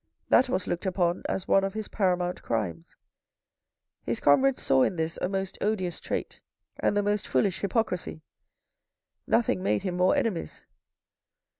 That was looked upon as one of his paramount crimes. His comrades saw in this a most odious trait, and the most foolish hypocrisy. Nothing mad him more enemies.